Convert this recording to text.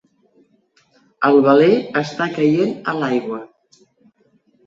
El veler està caient a l'aigua